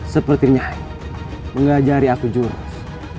seperti nyai mengajari aku jurus